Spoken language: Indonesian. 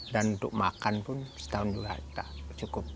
dan untuk makan pun setahun juga tidak cukup